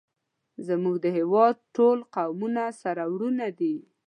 زمونږ د هیواد ټول قومونه سره ورونه دی